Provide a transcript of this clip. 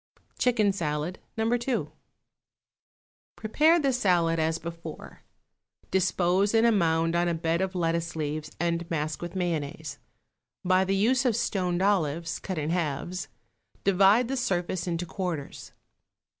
=Chicken Salad, No. 2.= Prepare the salad as before; dispose in a mound on a bed of lettuce leaves and mask with mayonnaise. By the use of stoned olives, cut in halves, divide the surface into quarters.